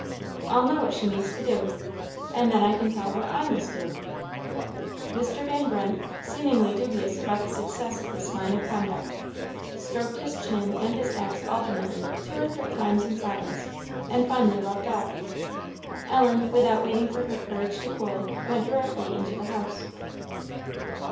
I'll know what she means to do, and then I can tell what I must do." Mr. Van Brunt, seemingly dubious about the success of this line of conduct, stroked his chin and his axe alternately two or three times in silence, and finally walked off. Ellen, without waiting for her courage to cool, went directly into the house.